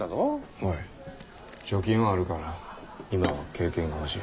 はい貯金はあるから今は経験が欲しい。